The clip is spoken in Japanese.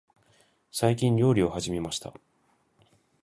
最近、料理を始めました。